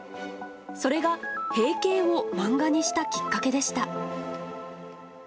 それが閉経を漫画にしたきっかけでした。